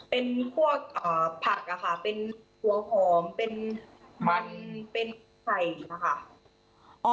เป็นพวกผักค่ะเป็นหัวหอมเป็นไข่นะคะ